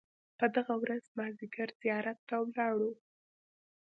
په دغه ورځ مازیګر زیارت ته ولاړو.